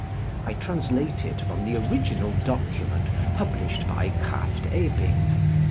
I translate it from the original document published by Krafft Ebing (pp.